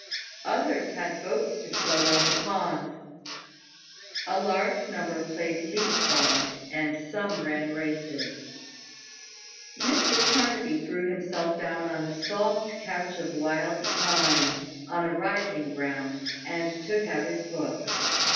Others had boats to float on the pond. A large number played leap frog, and some ran races. Mr Carnaby threw himself down on a soft couch of wild thyme, on a rising ground, and took out his book.